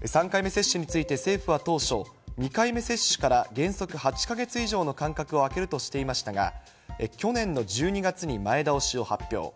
３回目接種について、政府は当初、２回目接種から原則８か月以上の間隔を空けるとしていましたが、去年の１２月に前倒しを発表。